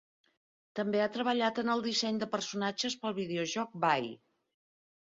També ha treballat en el disseny de personatges per al videojoc, Vay.